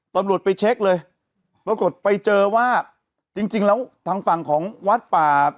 ตำรวจไปเช็คเลยปรากฏไปเจอว่าจริงจริงแล้วทางฝั่งของวัดป่า